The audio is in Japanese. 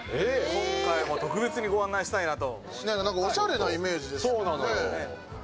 今回特別にご案内したいなと。